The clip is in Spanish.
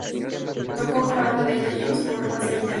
Tocó con la banda de Etta James por más de veinte años.